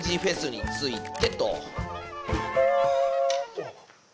おっ。